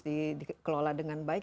dikelola dengan baik